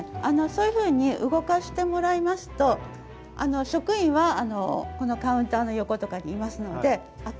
そういうふうに動かしてもらいますと職員はこのカウンターの横とかにいますのであっ